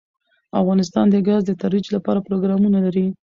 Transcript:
افغانستان د ګاز د ترویج لپاره پروګرامونه لري.